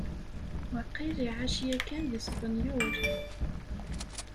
Waqil iɛac yakan deg Spenyul.